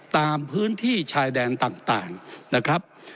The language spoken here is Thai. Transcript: ตามพื้นที่ชายแดนต่างนะครับ